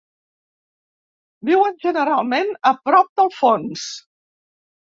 Viuen generalment a prop del fons.